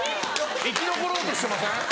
生き残ろうとしてません？